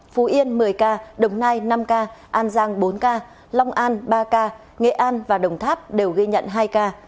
phú yên một mươi ca đồng nai năm ca an giang bốn ca long an ba ca nghệ an và đồng tháp đều ghi nhận hai ca